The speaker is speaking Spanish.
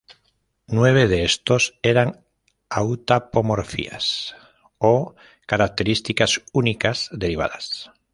Nueve de estos eran autapomorfias, o características únicas derivadas.